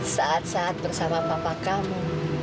saat saat bersama papa kamu